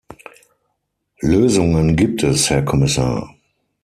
Lösungen gibt es, Herr Kommissar.